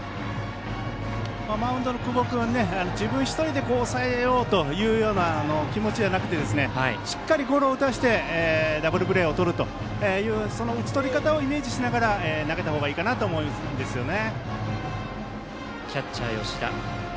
マウンドの久保君自分１人で抑えようというような気持ちじゃなくてしっかりゴロを打たせてダブルプレーをとるというその打ち取り方をイメージしながら投げた方がいいかなと思うんですよね。